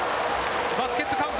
バスケットカウント。